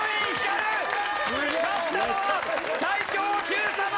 勝ったのは最強Ｑさま！！